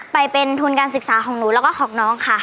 ไปเป็นทุนการศึกษาของหนูแล้วก็ของน้องค่ะ